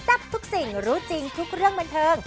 ทับทุกสิ่งรู้จริงทุกเรื่องบันเทิง